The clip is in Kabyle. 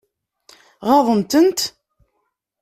Ɣaḍent-tent?